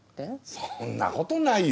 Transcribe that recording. そんなことないよ！